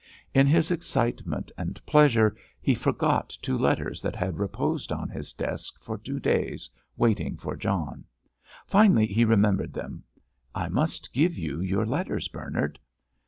In his excitement and pleasure he forgot two letters that had reposed on his desk for two days, waiting for John. Finally, he remembered them. "I must give you your letters, Bernard."